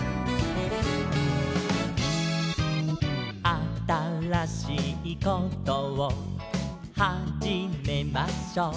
「あたらしいことをはじめましょう」